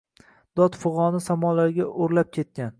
Dod-figʼoni samolarga oʼrlab ketgan